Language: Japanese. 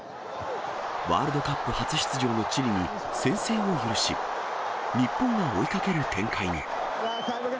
ワールドカップ初出場のチリに先制を許し、日本が追いかける展開に。